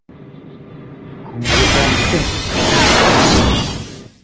hûn jê fehm dikin